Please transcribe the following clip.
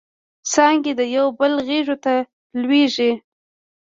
څانګې د یوبل غیږو ته لویږي